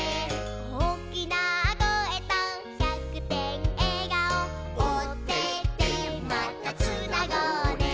「おおきなこえと１００てんえがお」「オテテまたつなごうね」